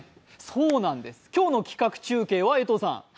そうなんです、今日の企画中継は江藤さん？